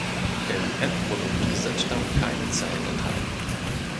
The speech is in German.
Im Endprodukt sind dann keine Zellen enthalten.